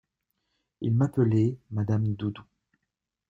Ils m'appelaient Madame Doudou.